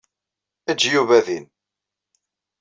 Ejj Yuba din.